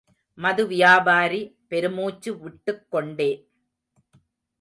மது வியாபாரி, பெருமூச்சு விட்டுக்கொண்டே